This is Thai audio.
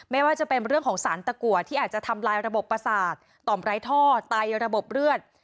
ไม่ว่าจะเป็นเรื่องของสารตะกัวที่อาจจะทำลายระบบประสาทต่อมไร้ท่อไตระบบเลือด